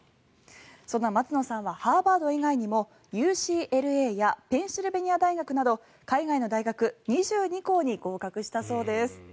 そんな松野さんはハーバード以外にもＵＣＬＡやペンシルベニア大学など海外の大学２２校に合格したそうです。